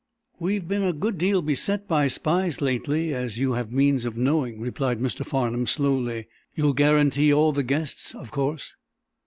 "We've been a good deal beset by spies lately as you have means of knowing," replied Mr. Farnum, slowly. "You'll guarantee all of the guests, of course."